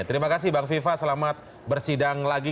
terima kasih bang viva selamat bersidang lagi